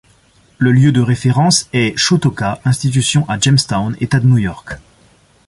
Le lieu de référence est Chautauqua Institution à Jamestown, État de New York.